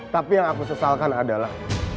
tapi yang aku sesalkan adalah